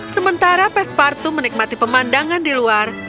sementara pespartu menikmati pemandangan di luar